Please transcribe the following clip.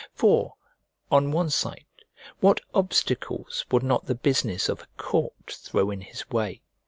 For, on one side, what obstacles would not the business of a court throw in his way?